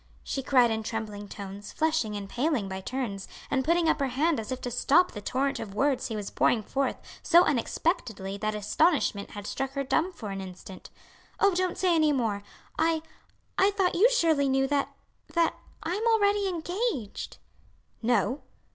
she cried in trembling tones, flushing and paling by turns, and putting up her hand as if to stop the torrent of words he was pouring forth so unexpectedly that astonishment had struck her dumb for an instant; "oh! don't say any more, I I thought you surely knew that that I am already engaged." "No.